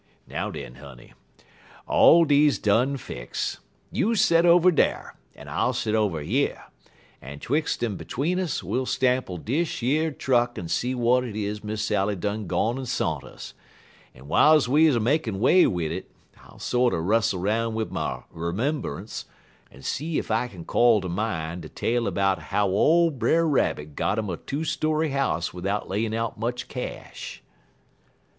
"Now, den, honey, all deze done fix. You set over dar, and I'll set over yer, en 'twix' en 'tween us we'll sample dish yer truck en see w'at is it Miss Sally done gone en sont us; en w'iles we er makin' 'way wid it, I'll sorter rustle 'roun' wid my 'membunce, en see ef I kin call ter min' de tale 'bout how ole Brer Rabbit got 'im a two story house widout layin' out much cash."